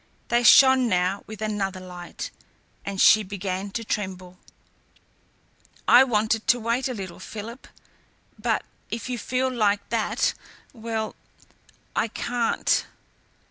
They shone now with another light, and she began to tremble. "I wanted to wait a little, Philip, but if you feel like that well, I can't."